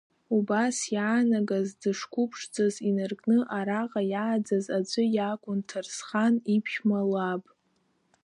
Убас иаанагаз дышқәыԥшӡаз инаркны араҟа иааӡаз аӡәы иакәын Ҭарсхан иԥшәма лаб.